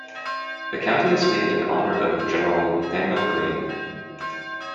The county is named in honor of General Nathanael Greene.